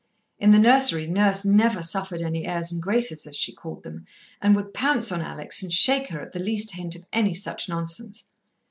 In the nursery, Nurse never suffered any airs and graces, as she called them, and would pounce on Alex and shake her at the least hint of any such nonsense.